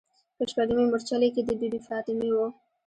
په شپږمې مورچلې کې د بي بي فاطمې و.